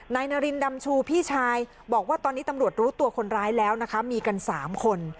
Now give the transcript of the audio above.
นายนารินดำชูพี่ชายบอกว่าตอนนี้ตำรวจรู้ตัวคนร้ายแล้วนะคะมีกัน๓คน